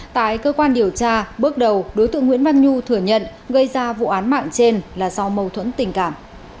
tại cơ quan điều tra bước đầu đối tượng nguyễn văn nhu thừa nhận gây ra vụ án mạng trên là do mâu thuẫn tình cảm